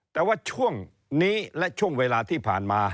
แต่ว่าช่วงนี้และช่วงเวลาที่ผ่านมา